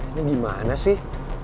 ini gimana sih